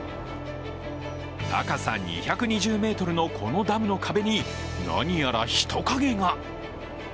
高さ２２０ｍのこのダムの壁に何やら人影が。